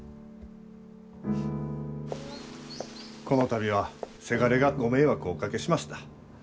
この度はせがれがご迷惑をおかけしました。